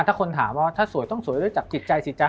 ถ้าคนถามว่าถ้าสวยต้องสวยด้วยจับจิตใจสิจ๊